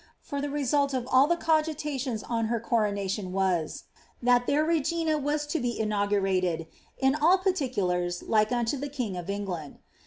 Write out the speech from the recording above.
For the result of all the cogitations on hei coronation was, that their regina was to be inaugurated, in ^ all particu lam, like unto the king of England."